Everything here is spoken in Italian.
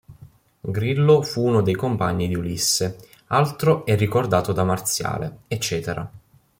Grillo fu uno dei compagni di Ulisse, altro è ricordato da Marziale, etc.